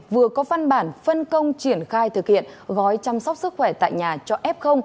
vừa có văn bản phân công triển khai thực hiện gói chăm sóc sức khỏe tại nhà cho f